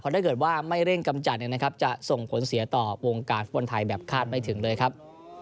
ถ้าเกิดว่าไม่เร่งกำจัดจะส่งผลเสียต่อวงการฟุตบอลไทยแบบคาดไม่ถึงเลยครับ